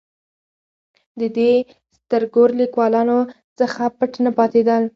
د دې سترګور لیکوالانو څخه پټ نه پاتېدل.